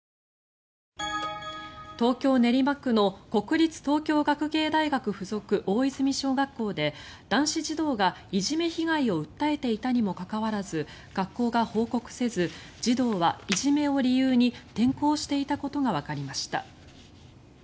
東京・練馬区の国立東京学芸大学附属大泉小学校で男子児童がいじめ被害を訴えていたにもかかわらず学校が報告せず児童はいじめを理由に転校していたことがわかりました。